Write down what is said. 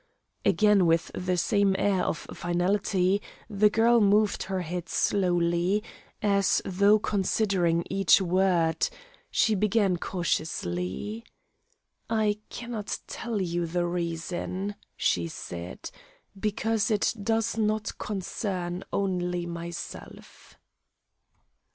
Again, with the same air of finality, the girl moved her head slowly, as though considering each word; she began cautiously. "I cannot tell you the reason," she said, "because it does not concern only myself."